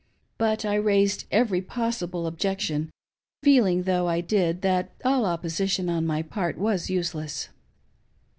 But I raised every possible objection, feeling, though I did, that all opposition on my part was useless.